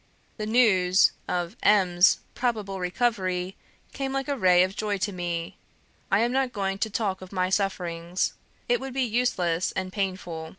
The news of M 's probable recovery came like a ray of joy to me. I am not going to talk of my sufferings it would be useless and painful.